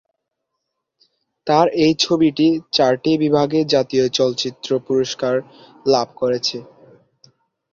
তার এই ছবিটি চারটি বিভাগে জাতীয় চলচ্চিত্র পুরস্কার লাভ করেছে।